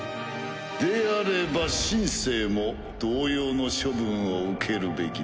であれば「シン・セー」も同様の処分を受けるべきだな。